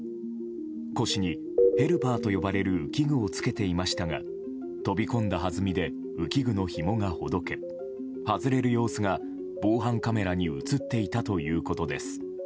腰にヘルパーと呼ばれる浮き具を着けていましたが飛び込んだはずみで浮き具のひもがほどけ外れる様子が防犯カメラに映っていたということです。